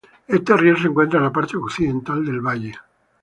Este río se encuentra en la parte occidental del valle.